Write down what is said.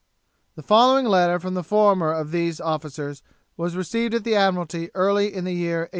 The following letter from the former of these officers was received at the Admiralty early in the year 1815.